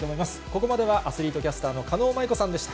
ここまではアスリートキャスターの狩野舞子さんでした。